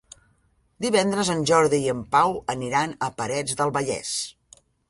Divendres en Jordi i en Pau aniran a Parets del Vallès.